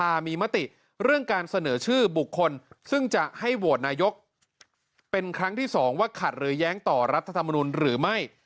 หรือแย้งต่อรัฐธรรมนูลหรือไม่